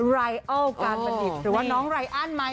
ไหล่อ้าวการบดิบหรือว่าน้องไหล่อ้านไมค์